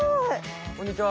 こんにちは。